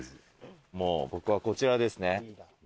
僕はこちらですね。